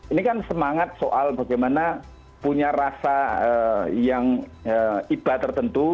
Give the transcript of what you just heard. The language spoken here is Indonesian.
ini kan semangat soal bagaimana punya rasa yang iba tertentu